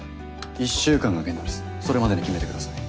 １週間が限度ですそれまでに決めてください。